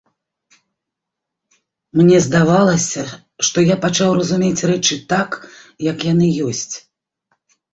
Мне здавалася, што я пачаў разумець рэчы так, як яны ёсць.